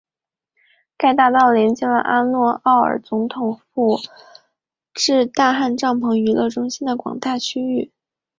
该大道连接了阿克奥尔达总统府至大汗帐篷娱乐中心的广大区域。